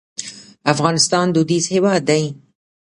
افغانستان دودیز هېواد دی.